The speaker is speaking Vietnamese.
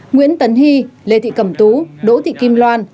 nguyễn tấn hy lê thị cầm tú đỗ thị kim loan